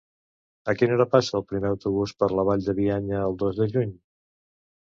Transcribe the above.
A quina hora passa el primer autobús per la Vall de Bianya el dos de juny?